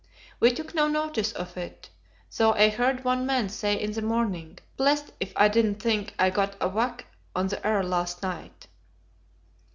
We took no notice of it, though I heard one man say in the morning: "Blest if I didn't think I got a whack on the ear last night."